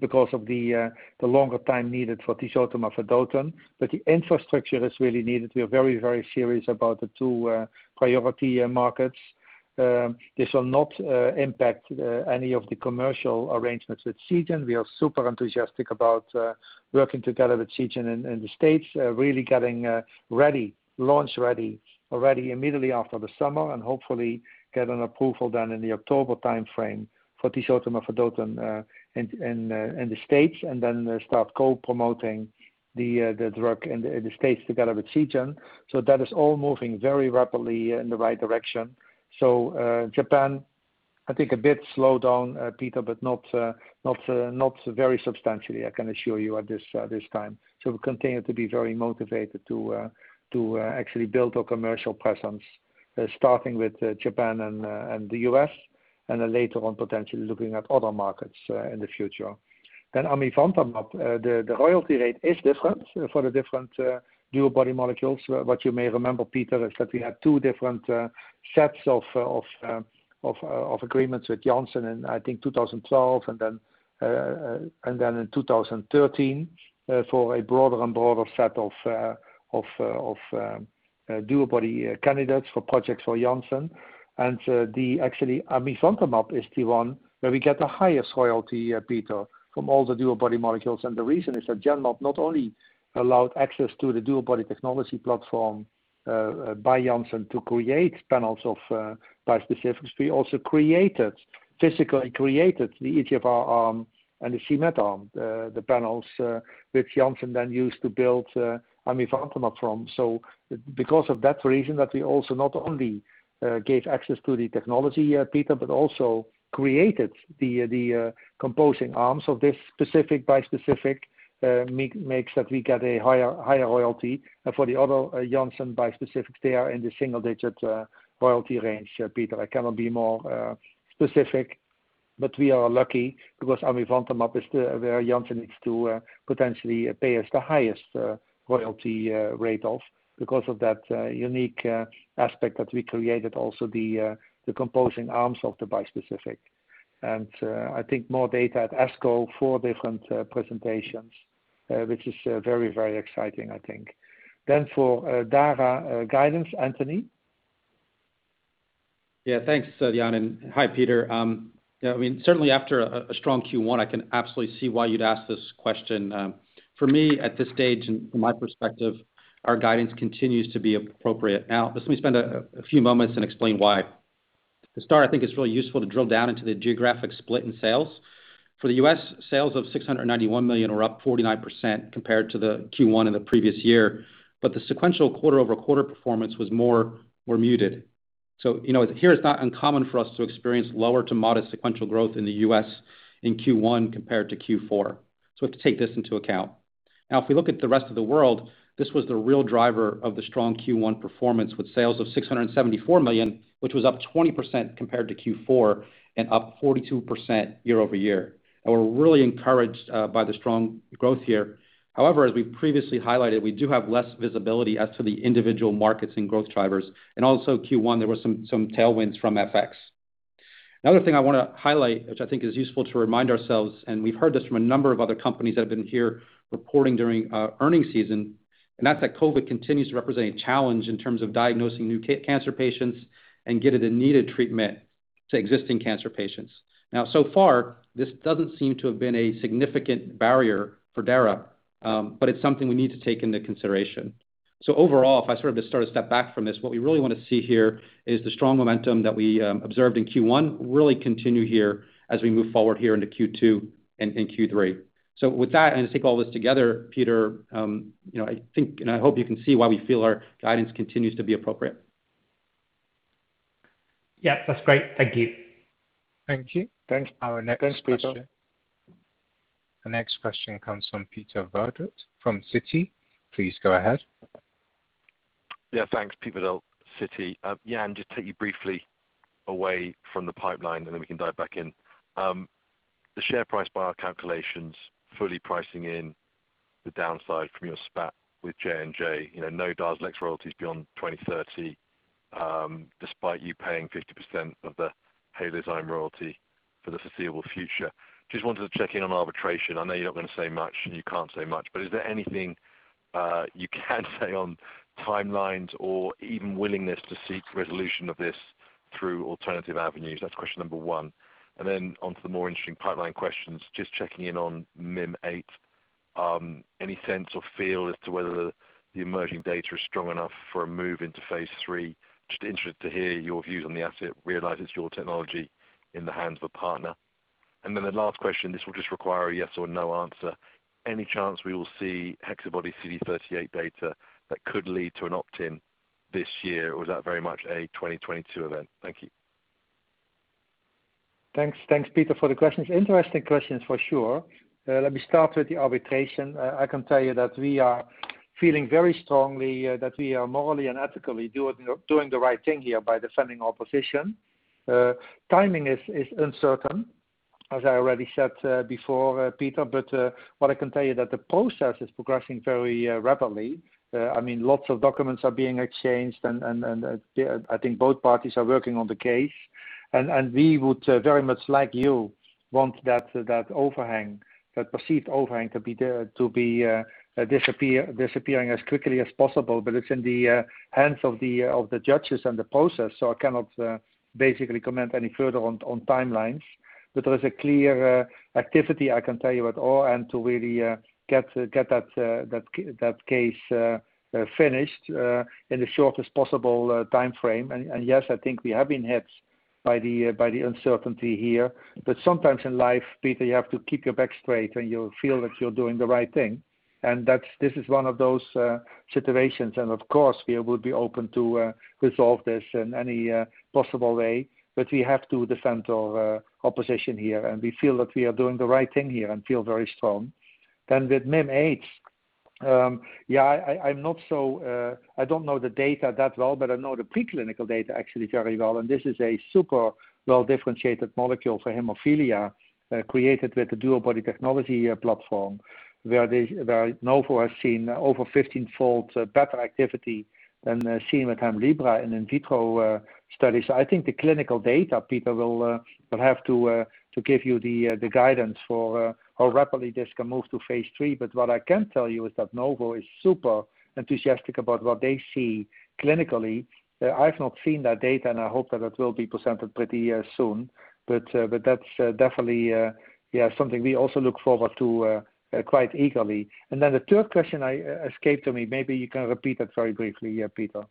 A: because of the longer time needed for tisotumab vedotin. The infrastructure is really needed. We are very, very serious about the two priority markets. This will not impact any of the commercial arrangements with Seagen. We are super enthusiastic about working together with Seagen in the states, really getting ready, launch-ready already immediately after the summer, and hopefully get an approval done in the October timeframe for tisotumab vedotin in the states, and then start co-promoting the drug in the states together with Seagen. That is all moving very rapidly in the right direction. Japan, I think a bit slowed down, Peter, but not very substantially, I can assure you at this time. We continue to be very motivated to actually build our commercial presence, starting with Japan and the U.S., and then later on, potentially looking at other markets in the future. Amivantamab, the royalty rate is different for the different DuoBody molecules. What you may remember, Peter, is that we had two different sets of agreements with Janssen in, I think, 2012 and then in 2013 for a broader and broader set of DuoBody candidates for projects for Janssen. Actually amivantamab is the one where we get the highest royalty, Peter, from all the DuoBody molecules, and the reason is that Genmab not only allowed access to the DuoBody technology platform by Janssen to create panels of bispecifics. We also created, physically created the EGFR arm and the c-Met arm, the panels which Janssen then used to build amivantamab from. Because of that reason that we also not only gave access to the technology, Peter, but also created the composing arms of this specific bispecific makes that we get a higher royalty for the other Janssen bispecifics. They are in the single-digit royalty range, Peter. I cannot be more specific. We are lucky because amivantamab is where Janssen needs to potentially pay us the highest royalty rate off because of that unique aspect that we created also the composing arms of the bispecific. I think more data at ASCO, four different presentations, which is very exciting, I think. For Dara guidance, Anthony?
B: Yeah, thanks, Jan, and hi, Peter. Certainly after a strong Q1, I can absolutely see why you'd ask this question. For me, at this stage, and from my perspective, our guidance continues to be appropriate. Let me spend a few moments and explain why. To start, I think it's really useful to drill down into the geographic split in sales. For the U.S., sales of $691 million are up 49% compared to the Q1 in the previous year, the sequential quarter-over-quarter performance was more muted. Here it's not uncommon for us to experience lower to modest sequential growth in the U.S. in Q1 compared to Q4. We have to take this into account. Now, if we look at the rest of the world, this was the real driver of the strong Q1 performance with sales of $674 million, which was up 20% compared to Q4 and up 42% year-over-year. We're really encouraged by the strong growth here. However, as we previously highlighted, we do have less visibility as to the individual markets and growth drivers. Also Q1, there were some tailwinds from FX. Another thing I want to highlight, which I think is useful to remind ourselves, and we've heard this from a number of other companies that have been here reporting during earnings season, that's that COVID continues to represent a challenge in terms of diagnosing new cancer patients and getting the needed treatment to existing cancer patients. So far, this doesn't seem to have been a significant barrier for Dara, but it's something we need to take into consideration. Overall, if I sort of just take a step back from this, what we really want to see here is the strong momentum that we observed in Q1 really continue here as we move forward here into Q2 and Q3. With that, and to take all this together, Peter, I think, and I hope you can see why we feel our guidance continues to be appropriate.
J: Yeah. That's great. Thank you.
A: Thank you.
B: Thanks, Peter.
C: Our next question comes from Peter Verdult from Citi. Please go ahead.
K: Thanks. Peter Verdult, Citi. Jan, just to take you briefly away from the pipeline, then we can dive back in. The share price by our calculations, fully pricing in the downside from your spat with J&J. No DARZALEX royalties beyond 2030, despite you paying 50% of the Halozyme royalty for the foreseeable future. Just wanted to check in on arbitration. I know you're not going to say much, and you can't say much, but is there anything you can say on timelines or even willingness to seek resolution of this through alternative avenues? That's question number one. Onto the more interesting pipeline questions, just checking in on Mim8. Any sense or feel as to whether the emerging data is strong enough for a move into phase III? Just interested to hear your views on the asset, realize it's your technology in the hands of a partner. The last question, this will just require a yes or no answer. Any chance we will see HexaBody-CD38 data that could lead to an opt-in this year, or is that very much a 2022 event? Thank you.
A: Thanks. Thanks, Peter, for the questions. Interesting questions for sure. Let me start with the arbitration. I can tell you that we are feeling very strongly that we are morally and ethically doing the right thing here by defending our position. Timing is uncertain, as I already said before, Peter. What I can tell you that the process is progressing very rapidly. Lots of documents are being exchanged, and I think both parties are working on the case. We would very much, like you, want that overhang, that perceived overhang to be disappearing as quickly as possible. It's in the hands of the judges and the process, so I cannot basically comment any further on timelines. There is a clear activity, I can tell you, at or and to really get that case finished in the shortest possible timeframe. Yes, I think we have been hit by the uncertainty here. Sometimes in life, Peter, you have to keep your back straight when you feel that you're doing the right thing. This is one of those situations. Of course, we would be open to resolve this in any possible way. We have to defend our position here, and we feel that we are doing the right thing here and feel very strong. With Mim8, I don't know the data that well, but I know the preclinical data actually very well. This is a super well-differentiated molecule for hemophilia, created with the DuoBody technology platform, where Novo has seen over 15-fold better activity than seen with Hemlibra in in vitro studies. I think the clinical data, Peter, will have to give you the guidance for how rapidly this can move to phase III. What I can tell you is that Novo is super enthusiastic about what they see clinically. I've not seen that data, and I hope that it will be presented pretty soon. That's definitely something we also look forward to quite eagerly. Then the third question escaped me. Maybe you can repeat it very briefly here, Peter.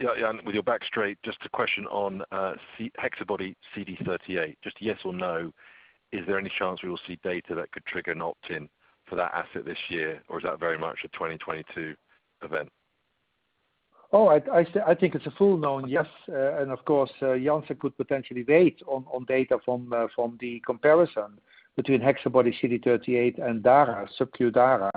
K: Yeah, Jan, with your back straight, just a question on HexaBody-CD38. Just yes or no, is there any chance we will see data that could trigger an opt-in for that asset this year, or is that very much a 2022 event?
A: Oh, I think it's a full known, yes. Of course, Janssen could potentially wait on data from the comparison between HexaBody-CD38 and dara, SubQ dara,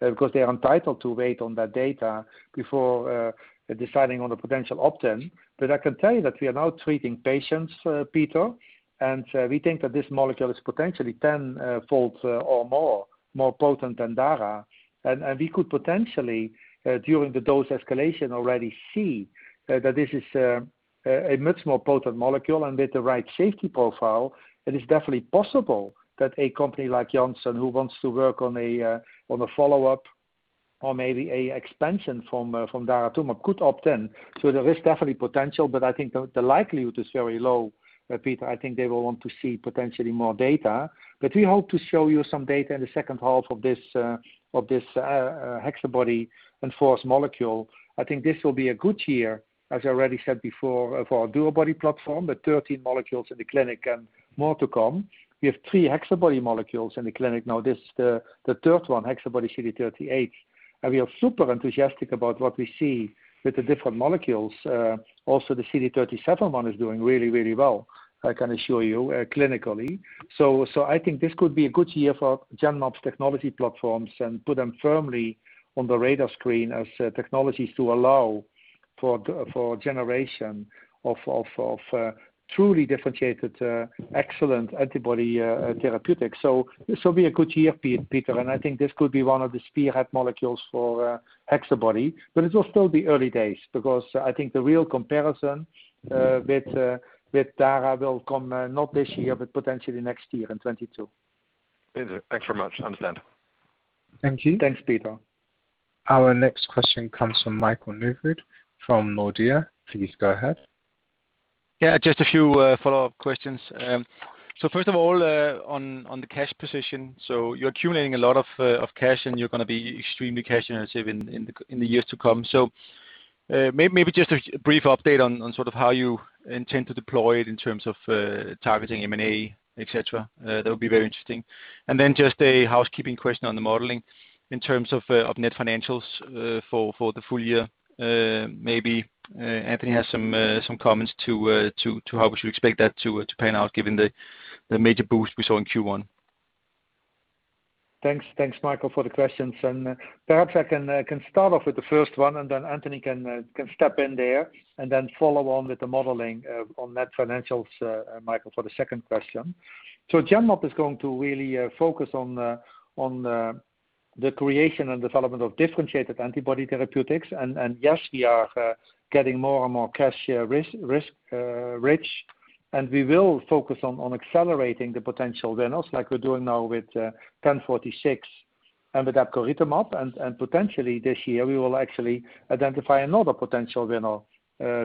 A: because they're entitled to wait on that data before deciding on the potential opt-in. I can tell you that we are now treating patients, Peter, and we think that this molecule is potentially 10-fold or more, more potent than dara. We could potentially, during the dose escalation, already see that this is a much more potent molecule and with the right safety profile, it is definitely possible that a company like Janssen, who wants to work on a follow-up or maybe a expansion from daratumumab, could opt in. There is definitely potential, but I think the likelihood is very low, Peter. I think they will want to see potentially more data. We hope to show you some data in the second half of this HexaBody and force molecule. I think this will be a good year, as I already said before, for our DuoBody platform, the 13 molecules in the clinic and more to come. We have three HexaBody molecules in the clinic now. This, the third one, HexaBody-CD38. We are super enthusiastic about what we see with the different molecules. Also, the CD37 one is doing really well, I can assure you, clinically. I think this could be a good year for Genmab's technology platforms and put them firmly on the radar screen as technologies to allow for generation of truly differentiated, excellent antibody therapeutics. This will be a good year, Peter, and I think this could be one of the spearhead molecules for HexaBody. It will still be early days, because I think the real comparison with DARZALEX will come, not this year, but potentially next year in 2022.
K: Thanks very much. Understand.
A: Thank you.
B: Thanks, Peter.
C: Our next question comes from Michael Novod from Nordea. Please go ahead.
L: Yeah, just a few follow-up questions. First of all, on the cash position. You're accumulating a lot of cash and you're going to be extremely cash generative in the years to come. Maybe just a brief update on sort of how you intend to deploy it in terms of targeting M&A, et cetera. That would be very interesting. Just a housekeeping question on the modeling in terms of net financials for the full year. Maybe Anthony has some comments to how we should expect that to pan out given the major boost we saw in Q1.
A: Thanks, Michael, for the questions. Perhaps I can start off with the first one, and then Anthony can step in there and then follow on with the modeling on net financials, Michael, for the second question. Genmab is going to really focus on the creation and development of differentiated antibody therapeutics. Yes, we are getting more and more cash rich. We will focus on accelerating the potential winners like we're doing now with GEN1046 and with epcoritamab. Potentially this year, we will actually identify another potential winner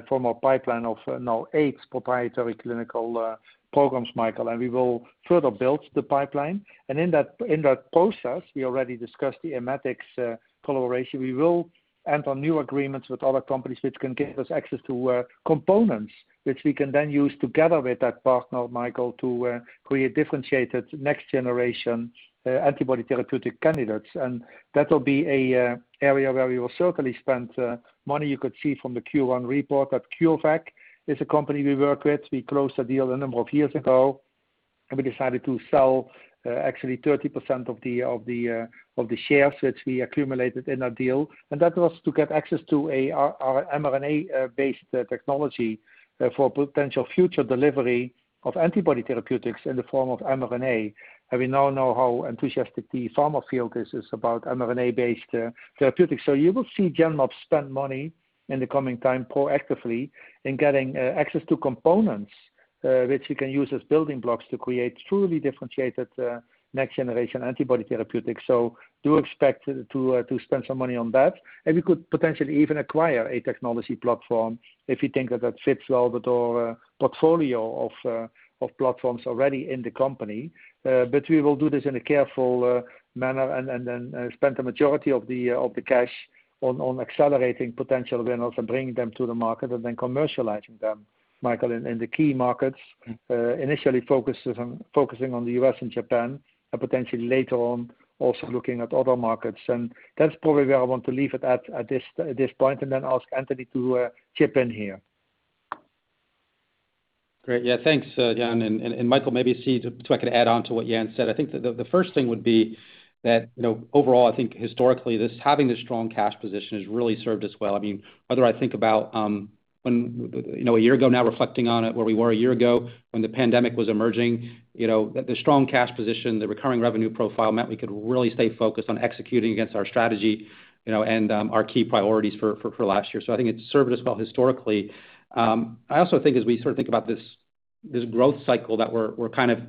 A: from our pipeline of now eight proprietary clinical programs, Michael, and we will further build the pipeline. In that process, we already discussed the Immatics collaboration. We will enter new agreements with other companies, which can give us access to components, which we can then use together with that partner, Michael, to create differentiated next generation antibody therapeutic candidates. That will be an area where we will certainly spend money. You could see from the Q1 report that CureVac is a company we work with. We closed a deal a number of years ago, and we decided to sell actually 30% of the shares which we accumulated in our deal. That was to get access to our mRNA-based technology for potential future delivery of antibody therapeutics in the form of mRNA. We now know how enthusiastic the pharma field is about mRNA-based therapeutics. You will see Genmab spend money in the coming time proactively in getting access to components, which we can use as building blocks to create truly differentiated next generation antibody therapeutics. Do expect to spend some money on that. We could potentially even acquire a technology platform if we think that that fits well with our portfolio of platforms already in the company. We will do this in a careful manner and then spend the majority of the cash on accelerating potential winners and bringing them to the market and then commercializing them, Michael, in the key markets. Initially focusing on the U.S. and Japan, and potentially later on also looking at other markets. That's probably where I want to leave it at this point, and then ask Anthony to chip in here.
B: Great. Yeah, thanks Jan. Michael, maybe see if I could add on to what Jan said. I think that the first thing would be that overall, I think historically, having this strong cash position has really served us well. Whether I think about a year ago now reflecting on it, where we were a year ago when the pandemic was emerging. The strong cash position, the recurring revenue profile meant we could really stay focused on executing against our strategy and our key priorities for last year. I think it's served us well historically. I also think as we sort of think about this growth cycle that we're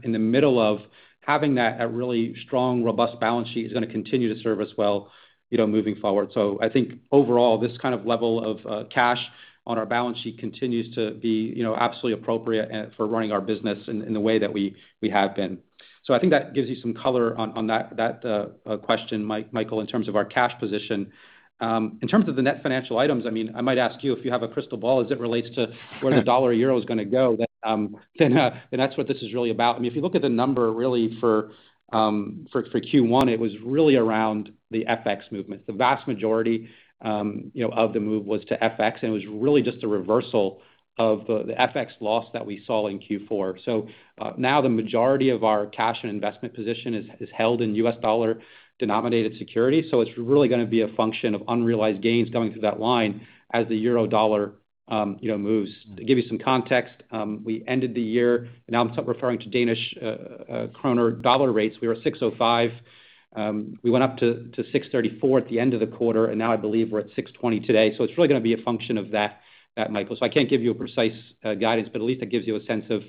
B: in the middle of, having that really strong, robust balance sheet is going to continue to serve us well moving forward. I think overall, this kind of level of cash on our balance sheet continues to be absolutely appropriate for running our business in the way that we have been. I think that gives you some color on that question, Michael, in terms of our cash position. In terms of the net financial items, I might ask you if you have a crystal ball as it relates to where the dollar or euro is going to go, that's what this is really about. If you look at the number really for Q1, it was really around the FX movement. The vast majority of the move was to FX, and it was really just a reversal of the FX loss that we saw in Q4. Now the majority of our cash and investment position is held in U.S. dollar-denominated securities. It's really going to be a function of unrealized gains going through that line as the euro dollar moves. To give you some context, we ended the year, now I'm referring to Danish kroner dollar rates, we were 6.05. We went up to 6.34 at the end of the quarter, and now I believe we're at 6.20 today. It's really going to be a function of that, Michael. I can't give you a precise guidance, but at least that gives you a sense of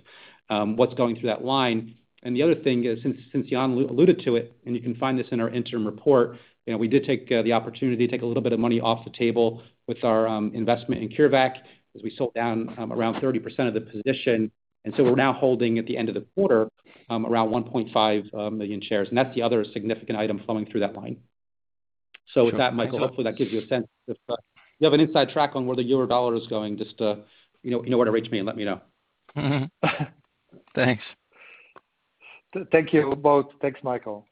B: what's going through that line. The other thing is, since Jan alluded to it, and you can find this in our interim report, we did take the opportunity to take a little bit of money off the table with our investment in CureVac as we sold down around 30% of the position. We're now holding at the end of the quarter around 1.5 million shares, and that's the other significant item flowing through that line. With that, Michael, hopefully that gives you a sense. If you have an inside track on where the euro dollar is going, just you know where to reach me and let me know.
L: Thanks. Thank you both.
A: Thanks, Michael.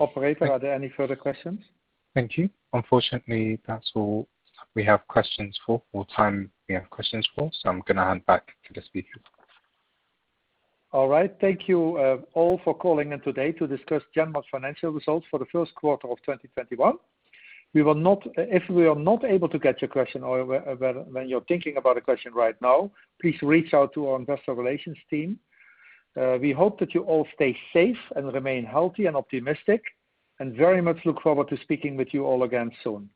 A: Operator, are there any further questions?
C: Thank you. Unfortunately, that's all time we have questions for. I'm going to hand back to the speakers.
A: All right. Thank you all for calling in today to discuss Genmab's financial results for the first quarter of 2021. If we are not able to get your question or when you're thinking about a question right now, please reach out to our investor relations team. We hope that you all stay safe and remain healthy and optimistic, and very much look forward to speaking with you all again soon.